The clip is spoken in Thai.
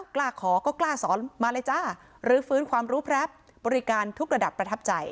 กล้าขอก็กล้าสอนมาเลยจ้ารื้อฟื้นความรู้แพรปบริการทุกระดับประทับใจ